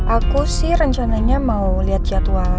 aku sih rencananya mau lihat jadwal